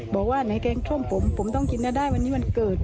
บอกว่าไหนแกงส้มผมผมต้องกินให้ได้วันนี้วันเกิด